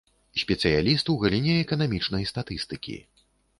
Спецыяліст у галіне эканамічнай статыстыкі.